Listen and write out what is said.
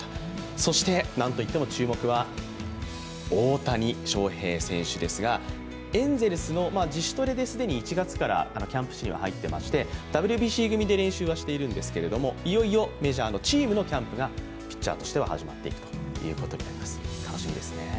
そして何といっても注目は大谷翔平選手ですが、エンゼルスの自主トレで既に１月からキャンプ地は入っていまして、ＷＢＣ組で練習はしているんですけどいよいよメジャーのチームのキャンプがピッチャーとしては始まっていくことになります、楽しみですね。